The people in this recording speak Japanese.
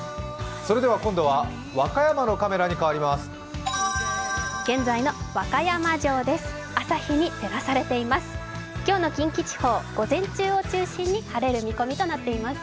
今度は和歌山のカメラに変わります。